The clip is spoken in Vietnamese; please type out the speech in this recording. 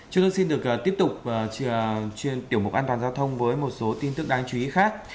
chúng tôi xin được tiếp tục chuyên tiểu mục an toàn giao thông với một số tin tức đáng chú ý khác